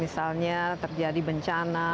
misalnya terjadi bencana